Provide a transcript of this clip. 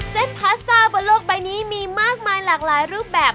พาสต้าบนโลกใบนี้มีมากมายหลากหลายรูปแบบ